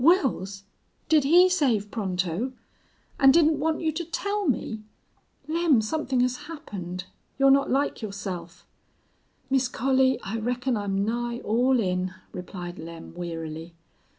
"Wils! Did he save Pronto?... And didn't want you to tell me? Lem, something has happened. You're not like yourself." "Miss Collie, I reckon I'm nigh all in," replied Lem, wearily.